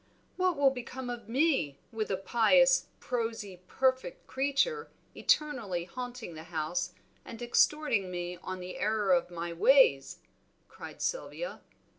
"What will become of me, with a pious, prosy, perfect creature eternally haunting the house and exhorting me on the error of my ways!" cried Sylvia.